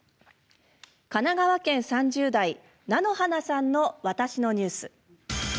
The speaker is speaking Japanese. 神奈川県３０代なのはなさんの「わたしのニュース」。